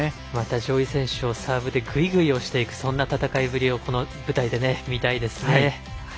上位の選手をサーブでぐいぐい押していくそんな戦いぶりをこの試合で見たいですね。